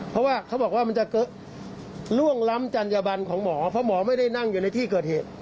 เพราะว่าเขาบอกว่ามันจะล่วงล้ำจัญญบันของหมอเพราะหมอไม่ได้นั่งอยู่ในที่เกิดเหตุ